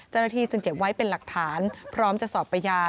จรภีร์จึงเก็บไว้เป็นหลักฐานพร้อมจะสอบประหย่า